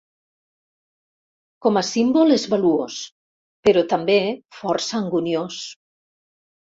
Com a símbol és valuós, però també força anguniós.